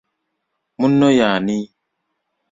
Munno y'ani?